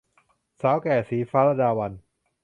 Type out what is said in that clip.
สาวแก่ - ศรีฟ้า ลดาวัลย์